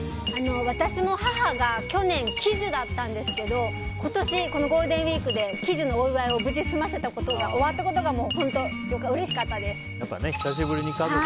私も母が去年、喜寿だったんですけど今年、このゴールデンウィークで喜寿のお祝いを無事済ませたことが終わったことが本当うれしかったです。